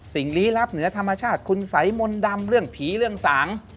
ลี้ลับเหนือธรรมชาติคุณสัยมนต์ดำเรื่องผีเรื่องสาง